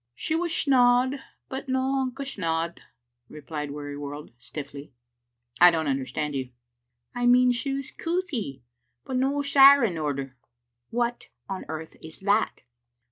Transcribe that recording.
''She was snod, but no unca snod," replied Weary* world, stiffly. " I don't understand you." '* I mean she was couthie, but no sair in order/* " What on earth is that?"